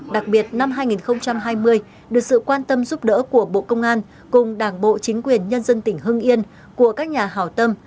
đặc biệt năm hai nghìn hai mươi được sự quan tâm giúp đỡ của bộ công an cùng đảng bộ chính quyền nhân dân tỉnh hưng yên của các nhà hào tâm